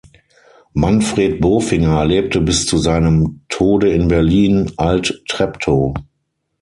Manfred Bofinger lebte bis zu seinem Tode in Berlin, Alt-Treptow.